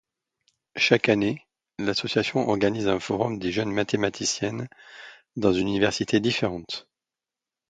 Chaque année, l'association organise un Forum des jeunes mathématiciennes dans une université différente.